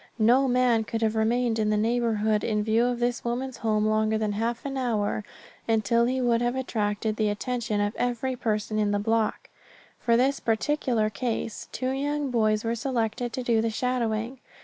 No man could have remained in the neighborhood in view of this woman's home longer than half an hour until he would have attracted the attention of every person in the block. For this particular case two young boys were selected to do the shadowing.